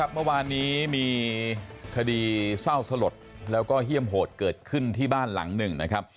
เมื่อวานนี้มีคดีเศร้าสลดแล้วก็เยี่ยมโหดเกิดขึ้นที่บ้านหลังหนึ่งนะครับ